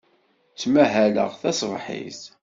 Ttmahaleɣ taṣebḥit.